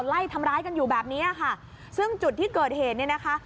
ไล่ทำร้ายกันอยู่แบบเนี้ยค่ะซึ่งจุดที่เกิดเหตุเนี่ยนะคะ